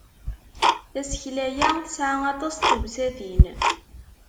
Tasekla-ya tesɛa aṭas n tewsatin.